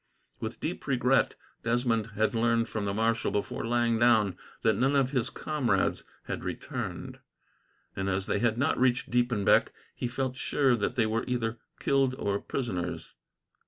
With deep regret, Desmond had learned from the marshal, before lying down, that none of his comrades had returned; and as they had not reached Diepenbeck, he felt sure that they were either killed or prisoners.